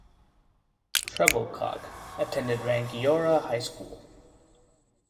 Trebilcock attended Rangiora High School.